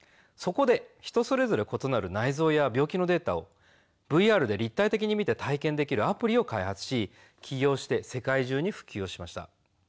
そこで人それぞれ異なる内臓や病気のデータをＶＲで立体的に見て体験できるアプリを開発し起業して世界中にふきゅうをしました。